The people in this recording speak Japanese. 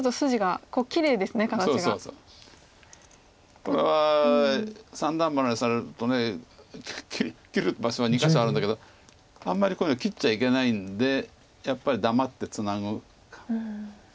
これは三段バネされると切る場所が２か所あるんだけどあんまりこういうの切っちゃいけないんでやっぱり黙ってツナぐ。